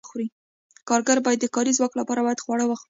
کارګر د کاري ځواک لپاره باید خواړه وخوري.